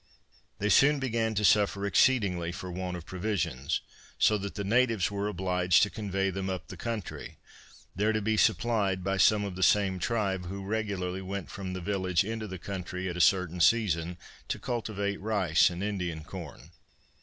They soon began to suffer exceedingly for the want of provisions, so that the natives were obliged to convey them up the country, there to be supplied by some of the same tribe, who regularly went from the village into the country at a certain season to cultivate rice and Indian corn.